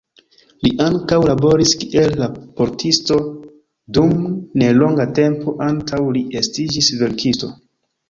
Li ankaŭ laboris kiel raportisto dum nelonga tempo antaŭ li estiĝis verkisto.